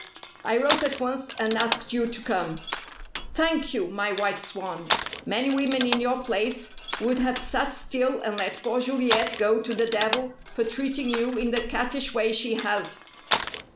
I wrote at once and asked you to come." "Thank you, my White Swan. Many women in your place would have sat still and let poor Juliet go to the devil for treating you in the cattish way she has."